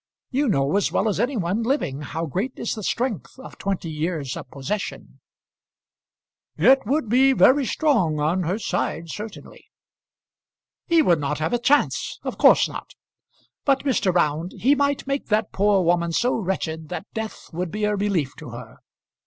You know as well as any one living how great is the strength of twenty years of possession " "It would be very strong on her side, certainly." "He would not have a chance; of course not. But, Mr. Round, he might make that poor woman so wretched that death would be a relief to her.